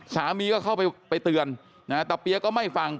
สามีก็เข้าไปไปเตือนนะตะเปี๊ยกก็ไม่ฟัง